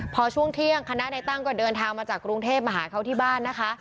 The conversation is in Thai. พอช่วงเที่ยงคณะในตั้งก็เดินทางมาจากกรุงเทพมาหาเขาที่บ้านนะคะ